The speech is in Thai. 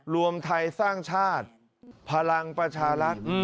รวมไทยสร้างชาติพลังประชารัฐ